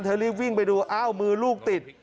เธอริ่งวิ่งไปดูอ้าวมือลูกติด